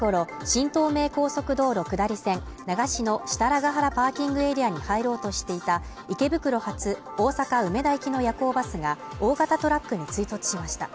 新東名高速道路下り線長篠設楽原パーキングエリアに入ろうとしていた池袋発大阪梅田行きの夜行バスが大型トラックに追突しました